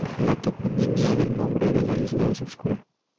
La toponimia del nombre de la isla es oscura.